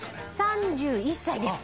３１歳です当時。